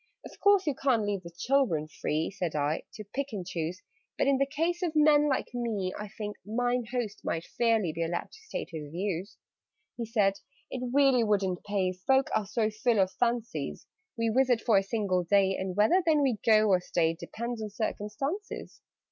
"Of course you can't leave children free," Said I, "to pick and choose: But, in the case of men like me, I think 'Mine Host' might fairly be Allowed to state his views." He said "It really wouldn't pay Folk are so full of fancies. We visit for a single day, And whether then we go, or stay, Depends on circumstances.